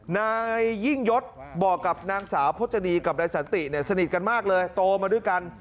นายยิ่งยศบอกกับนางสาวพจนีกับนายสันติเนี่ยสนิทกันมากเลยโตมาด้วยกัน